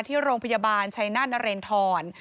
ที่โรงพยาบาลชัยนาธนเรนทร